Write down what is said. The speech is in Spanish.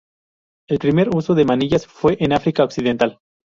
El primer uso de manillas fue en África Occidental.